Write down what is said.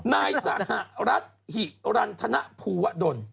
นายสหรัฐหิรันธนภูวะดล